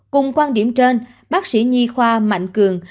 cùng quan điểm trên bác sĩ nhi khoa mạnh cường